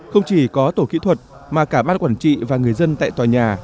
không chỉ có tổ kỹ thuật mà cả bát quản trị và người dân tại tòa nhà